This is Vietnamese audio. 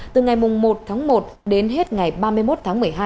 từ ngày một tháng một đến hết ngày ba mươi một tháng một mươi hai